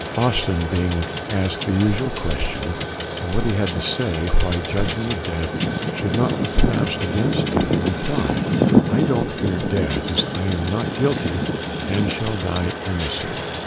Austin being asked the usual question of what he had to say why judgment of death should not be pronounced against him, replied, "I don't fear death, as I am not guilty, and shall die innocent."